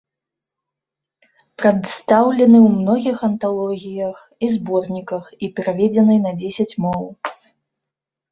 Прадстаўлены ў многіх анталогіях і зборніках і пераведзены на дзесяць моў.